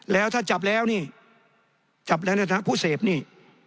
แล้วถ้าจับแล้วนี่จับแล้วนะผู้เสพนี่